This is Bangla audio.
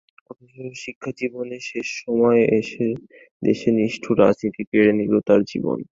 অথচ শিক্ষাজীবনের শেষ সময়ে এসে দেশের নিষ্ঠুর রাজনীতি কেড়ে নিল তার জীবন।